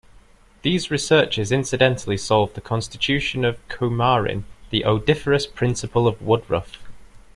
These researches incidentally solved the constitution of coumarin, the odoriferous principle of woodruff.